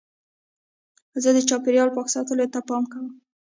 زه د چاپېریال پاک ساتلو ته پام کوم.